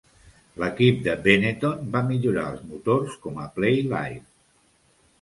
L'equip de Benetton va millorar els motors com a Playlife.